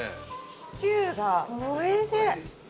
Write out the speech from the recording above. シチューがおいしい。